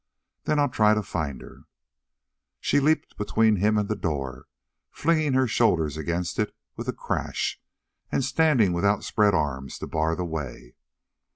Then I'll try to find her." She leaped between him and the door, flinging her shoulders against it with a crash and standing with outspread arms to bar the way.